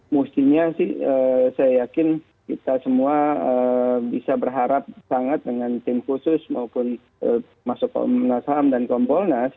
mestinya sih saya yakin kita semua bisa berharap sangat dengan tim khusus maupun masuk komnas ham dan kompolnas